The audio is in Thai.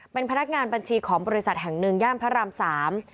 เป็นพนักงานบัญชีของบริษัทแห่งหนึ่งย่านพระรามสาม